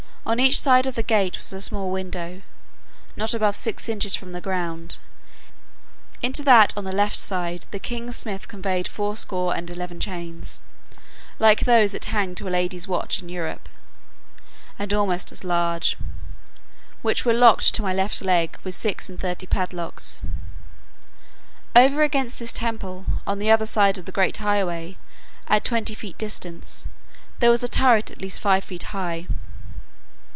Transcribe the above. On each side of the gate was a small window, not above six inches from the ground: into that on the left side, the king's smith conveyed fourscore and eleven chains, like those that hang to a lady's watch in Europe, and almost as large, which were locked to my left leg with six and thirty padlocks. Over against this temple, on the other side of the great highway, at twenty feet distance, there was a turret at least five feet high.